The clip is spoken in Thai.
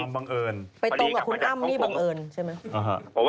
ไปตรงกับคุณอ้ำนี่บังเอิญใช่ไหม